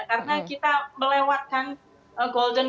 karena kita melewatkan golden